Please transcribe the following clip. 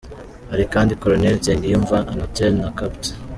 Hari kandi Colonel Nsengiyumva Anatole na Capt.